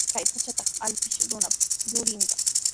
Kay pachatraw allpapitashi runa yurirqan.